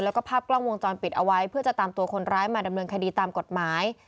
แล้วก็ภาพกล้องวงจรปิดเอาไว้เพื่อจะตามตัวคนร้ายมาดำเนินคดีตามกฎหมาย